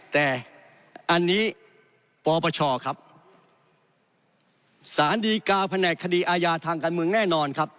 แต่อันนี้ปปชครับสารดีกาแผนกคดีอาญาทางการเมืองแน่นอนครับ